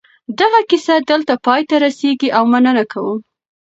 دغه کیسه دلته پای ته رسېږي او مننه کوم.